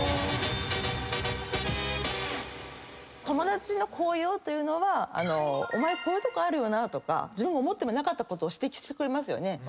友達の効用というのはお前こういうとこあるよなとか自分が思ってもいなかったことを指摘してくれますよね。